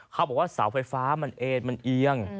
เขาบอกว่าเสาไฟฟ้ามันเอ็นมันเอียง